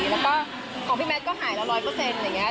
แล้วก็ของพี่แมทก็หายแล้วร้อยเปอร์เซ็นต์อย่างเงี้ย